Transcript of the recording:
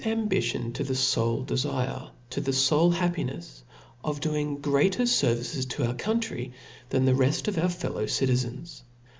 3, ambition to the fole defire, to the fole happinefs of doing greater fervices to our country than the reft of our fellow citizens.